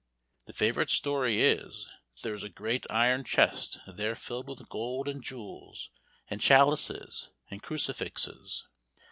The favorite story is, that there is a great iron chest there filled with gold and jewels, and chalices and crucifixes.